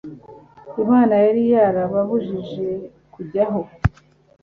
Imana yari yarababujije kuryaho